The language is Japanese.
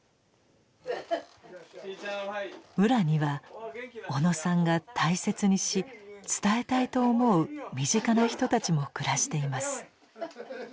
「浦」には小野さんが大切にし伝えたいと思う身近な人たちも暮らしています。